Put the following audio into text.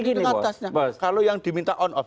di tengah atasnya kalau yang diminta on off